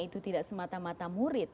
itu tidak semata mata murid